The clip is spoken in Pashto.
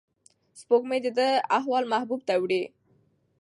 سپوږمۍ د ده احوال محبوب ته وړي.